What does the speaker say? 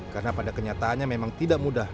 karena pada kenyataannya memang tidak mudah